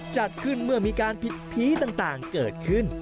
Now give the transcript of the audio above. จัดขึ้นเมื่อมีการผิดผีต่างเกิดขึ้น